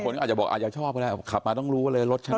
บางคนอาจจะบอกอ่าอยากชอบก็ได้ขับมาต้องรู้ว่าเลยรถฉันมา